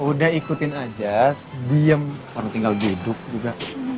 udah ikutin aja diem orang tinggal hidup juga